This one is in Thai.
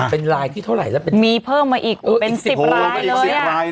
เป็นรายที่เท่าไหร่แล้วเป็นมีเพิ่มมาอีกเป็น๑๐ราย